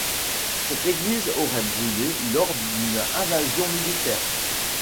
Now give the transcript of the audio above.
Cette église aurait brûlé lors d'une invasion militaire.